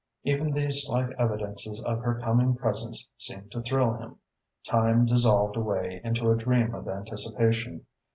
Even these slight evidences of her coming presence seemed to thrill him. Time dissolved away into a dream of anticipation.